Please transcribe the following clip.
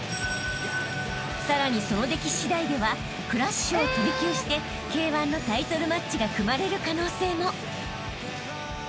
［さらにその出来しだいではＫｒｕｓｈを飛び級してＫ−１のタイトルマッチが組まれる可能性も］